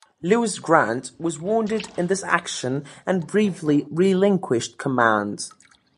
Lewis Grant was wounded in this action and briefly relinquished command.